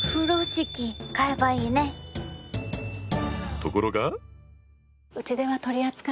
ところが。